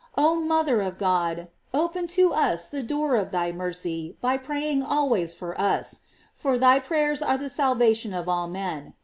J Oh mother of God, open to us the door of thy mercy, by praying always for us; for thy prayers are the salvation of all men.